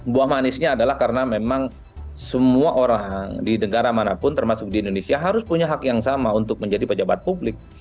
buah manisnya adalah karena memang semua orang di negara manapun termasuk di indonesia harus punya hak yang sama untuk menjadi pejabat publik